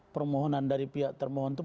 permohonan dari pihak termohon itu